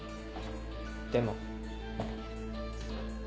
でも。